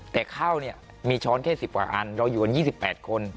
แต่ข้าวเนี่ยมีช้อนแค่๑๐กว่าอันเราอยู่กัน๒๘คน